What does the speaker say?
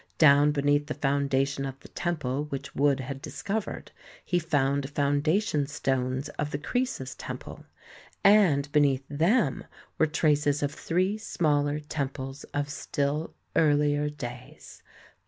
Down beneath the foundation of the temple which Wood had discovered, he found foundation stones of the Croesus temple, and beneath them were traces of three smaller temples of still earlier days.